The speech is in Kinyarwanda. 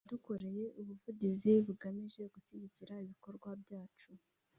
Yadukoreye ubuvugizi bugamije gushyigira ibikorwa byacu